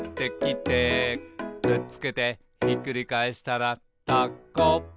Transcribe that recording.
「くっつけてひっくり返したらタコ」